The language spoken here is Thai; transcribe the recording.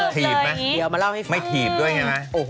เดี๋ยวมาเล่าให้ฟัง